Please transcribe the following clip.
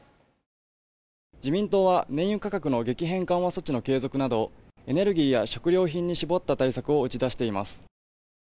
自民党は燃油価格の激変緩和措置の継続などエネルギーや食料品に絞った対策を打ち出しています。